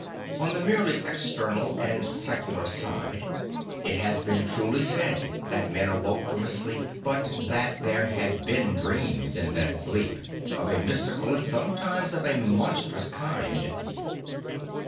On the merely external and secular side, it has been truly said that men a \voke from a sleep; but there had been dreams 26 St. Francis of Assisi in that sleep of a mystical and sometimes of a monstrous kind.